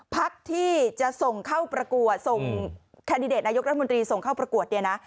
พักที่จะส่งเข้าประกวดส่งแคนดิเดตนายกรัฐมนตรีส่งเข้าประกวดเนี่ยนะ